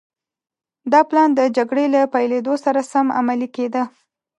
دا پلان د جګړې له پيلېدو سره سم عملي کېده.